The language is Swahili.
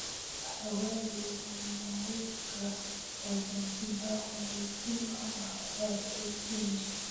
Awali wanawake wa Zanzibar walikuwa hawatoki nje